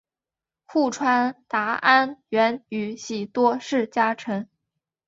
户川达安原宇喜多氏家臣。